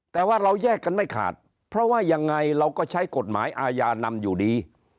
แต่ว่าเราแยกกันไม่ขาดเพราะว่ายังไงเราก็ใช้กฎหมายอาญานำอยู่ดี